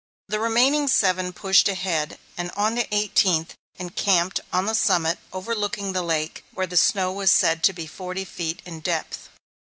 The remaining seven pushed ahead, and on the eighteenth, encamped on the summit overlooking the lake, where the snow was said to be forty feet in depth.